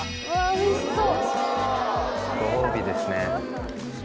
おいしそう。